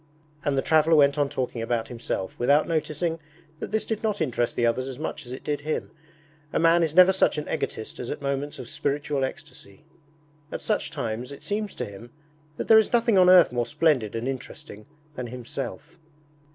And the traveller went on talking about himself, without noticing that this did not interest the others as much as it did him. A man is never such an egotist as at moments of spiritual ecstasy. At such times it seems to him that there is nothing on earth more splendid and interesting than himself.